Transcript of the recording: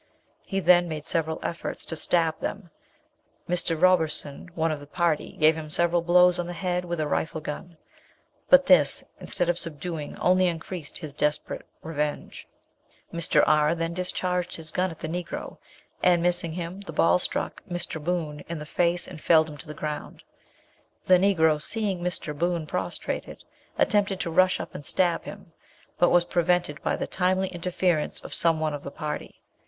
He then made several efforts to stab them. Mr. Roberson, one of the party, gave him several blows on the head with a rifle gun; but this, instead of subduing, only increased his desperate revenge. Mr. R. then discharged his gun at the Negro, and missing him, the ball struck Mr. Boon in the face, and felled him to the ground. The Negro, seeing Mr. Boon prostrated, attempted to rush up and stab him, but was prevented by the timely interference of some one of the party.